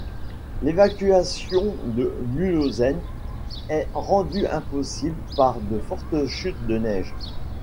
L'évacuation de Mulhausen est rendue impossible par de fortes chutes de neige.